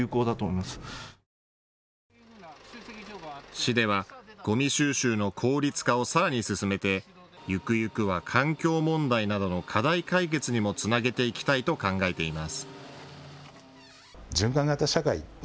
市ではゴミ収集の効率化をさらに進めて、ゆくゆくは環境問題などの課題解決にもつなげていきたいと考えています。